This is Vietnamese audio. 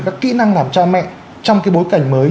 các kỹ năng làm cha mẹ trong cái bối cảnh mới